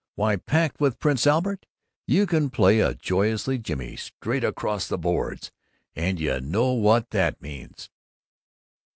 Why packed with Prince Albert you can play a joy'us jimmy straight across the boards! _And you know what that means!